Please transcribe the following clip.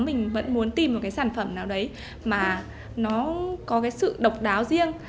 mình vẫn muốn tìm một cái sản phẩm nào đấy mà nó có cái sự độc đáo riêng